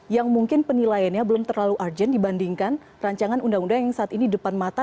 yang mungkin penilaiannya belum terlalu urgent dibandingkan rancangan undang undang yang saat ini depan mata